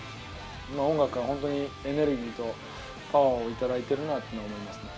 音楽から本当にエネルギーとパワーを頂いてるなって思いますね。